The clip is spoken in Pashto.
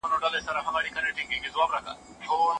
ټولني ته صداقت د قضاوت پر بنسټ اړتیا لري.